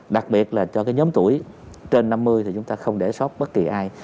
đặc biệt là cho nhóm tuổi trên năm mươi thì chúng ta không để sóc bất kỳ ai